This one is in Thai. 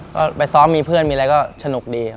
ก็ไปซ้อมมีเพื่อนมีอะไรก็สนุกดีครับ